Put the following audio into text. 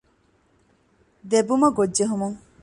ދެބުމަގޮށް ޖެހެމުން